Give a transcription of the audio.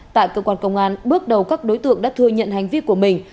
tại cơ quan công an bước đầu các đối tượng đã thừa nhận hành vi của mình